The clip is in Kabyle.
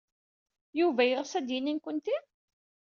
Yuba yeɣs ad d-yini nekkenti?